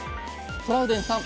トラウデンさん